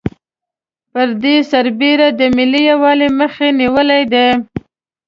پر دې سربېره د ملي یوالي مخه یې نېولې ده.